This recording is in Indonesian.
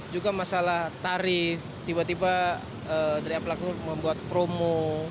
juga masalah tarif tiba tiba dari pelaku membuat promo